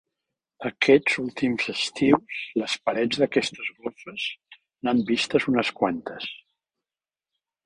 Aquests últims estius les parets d'aquestes golfes n'han vistes unes quantes.